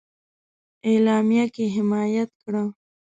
اعلامیه کې حمایه کړه.